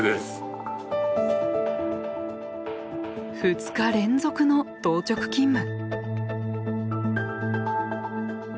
２日連続の当直勤務。